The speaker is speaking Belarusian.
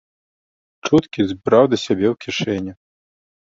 Чуткі збіраў да сябе ў кішэню.